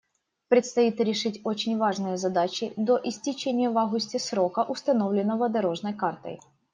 Предстоит решить очень важные задачи до истечения в августе срока, установленного «дорожной картой».